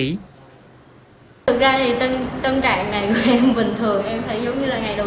thực ra thì tâm trạng này của em bình thường